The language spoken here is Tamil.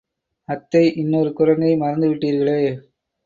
அத்தை, இன்னொரு குரங்கை மறந்துவிட்டீர்களே!